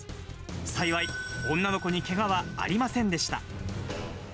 幸い、女の子にけがはありませんでした。